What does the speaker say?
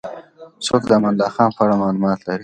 څوک د امان الله خان په اړه معلومات لري؟